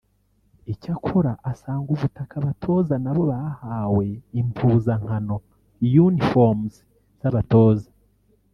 Icyakora asanga ubutaha abatoza na bo bahawe impuzankano (Uniforms) z’abatoza